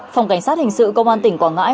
phòng cảnh sát hình sự công an tỉnh quảng ngãi